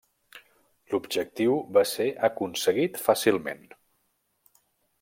L'objectiu va ser aconseguit fàcilment.